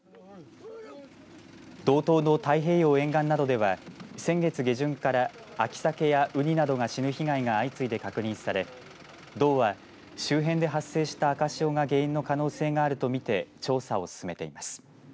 道東の太平洋沿岸などでは先月下旬から秋サケやウニなどが死ぬ被害が相次いで確認され道は周辺で発生した赤潮が原因の可能性があるとみて調査を進めています。